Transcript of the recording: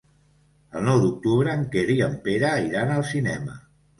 El nou d'octubre en Quer i en Pere iran al cinema.